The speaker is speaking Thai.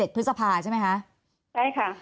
พฤษภาใช่ไหมคะใช่ค่ะ